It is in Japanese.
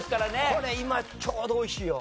これ今ちょうど美味しいよ。